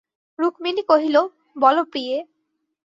রুক্মিণী কহিল, বলো প্রিয়ে।